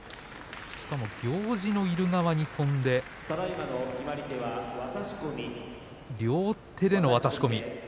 しかも、行司のいる側に飛んで両手での渡し込み。